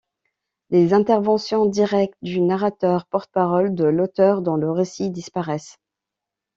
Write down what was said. Les interventions directes du narrateur, porte-parole de l’auteur dans le récit, disparaissent.